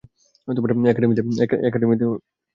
একাডেমিতে আমরা একসাথে প্রশিক্ষণ নিয়েছি।